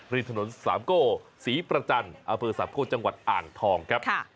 ริมถนนสามโก้ศรีประจันทร์อำเภอสามโก้จังหวัดอ่างทองครับ